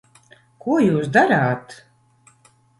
Ko jūs darāt?